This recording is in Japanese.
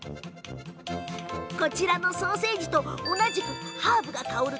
こちらのソーセージと同じくハーブが香る